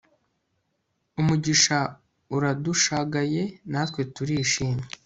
umugisha uradushagaye natwe turishimye